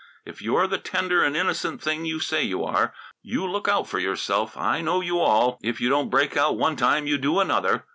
If you're the tender and innocent thing you say you are, you look out for yourself. I know you all! If you don't break out one time you do another.